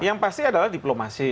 yang pasti adalah diplomasi